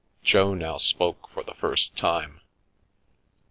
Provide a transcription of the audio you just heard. Jo now spoke for the first time.